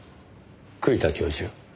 栗田教授